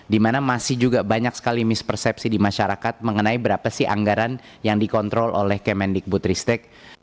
di mana masih juga banyak sekali mispersepsi di masyarakat mengenai berapa sih anggaran yang dikontrol oleh kemendikbud ristek